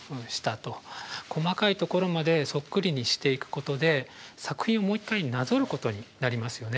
細かい所までそっくりにしていくことで作品をもう一回なぞることになりますよね。